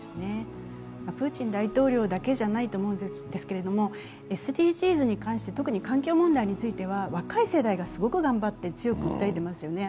プーチン大統領だけじゃないと思うんですけど、ＳＤＧｓに関して、特に環境問題については若い世代がすごく頑張って、強く訴えてますよね。